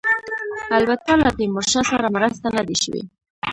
البته له تیمورشاه سره مرسته نه ده شوې.